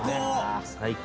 最高！